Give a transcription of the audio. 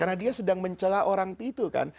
karena dia sedang mencela orang itu kan